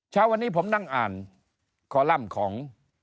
เช้าวันนี้ผมนั่งอ่านคอลัมป์ของ